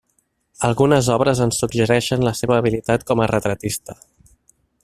Algunes obres ens suggereixen la seva habilitat com a retratista.